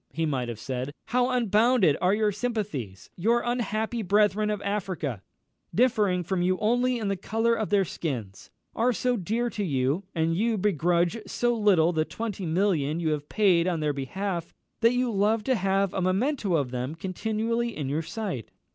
he might have said, "how unbounded are your sympathies! Your unhappy brethren of Africa, differing from you only in the colour of their skins, are so dear to you, and you begrudge so little the twenty millions you have paid on their behalf, that you love to have a memento of them continually in your sight.